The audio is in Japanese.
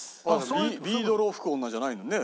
『ビードロを吹く女』じゃないもんね。